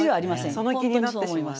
その気になってしまう。